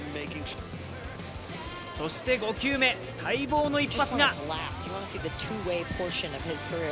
そして、５球目、待望の一発が。